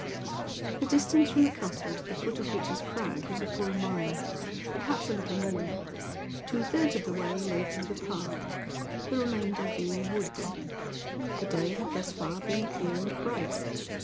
The distance from the castle to the foot of Witch's Crag was a full mile, perhaps a little more. Two thirds of the way lay through the park, the remainder being woods. The day had thus far been clear and bright.